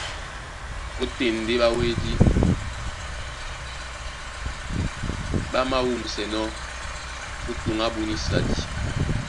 Ótên ndé ɓáwédí ɓá māwûmsɛnɔ́ ó tǔn ábú nísadi.